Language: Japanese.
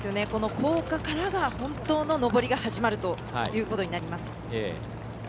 高架からが本当の上りが始まるということになります。